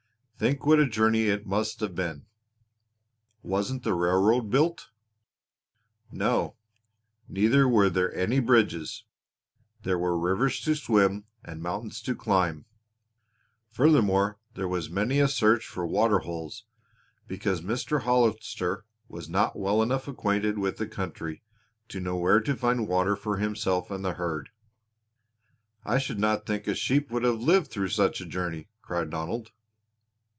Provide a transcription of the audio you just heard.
Think what a journey it must have been!" "Wasn't the railroad built?" "No. Neither were there any bridges. There were rivers to swim and mountains to climb; furthermore there was many a search for water holes, because Mr. Hollister was not well enough acquainted with the country to know where to find water for himself and the herd." "I should not think a sheep would have lived through such a journey!" cried Donald.